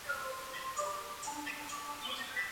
საქართველოს საპატრიარქოს საინფორმაციო სამსახურის თავმჯდომარე.